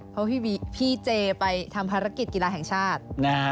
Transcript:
เพราะพี่เจไปทำภารกิจกีฬาแห่งชาติ